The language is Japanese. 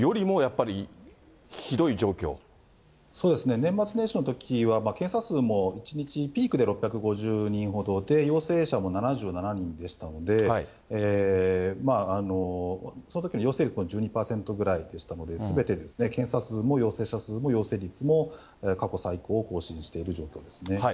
年末年始のときは、検査数も１日、ピークで６５０人ほどで、陽性者も７７人でしたので、そのときの陽性率、１２％ぐらいでしたので、すべて検査数も陽性者数も陽性率も過去最高を更新している状況ですね。